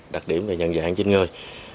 đặc điểm về nhận dạng trên người